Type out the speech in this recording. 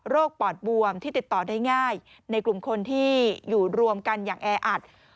ปอดบวมที่ติดต่อได้ง่ายในกลุ่มคนที่อยู่รวมกันอย่างแออัด